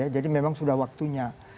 jadi memang sudah waktunya